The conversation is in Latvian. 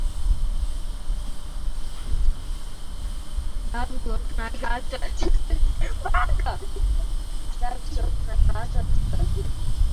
Darbā turpinām kārtot grāmatas plauktos alfabēta secībā. Vienmuļais darbs nogurdina un brīžiem kaitina.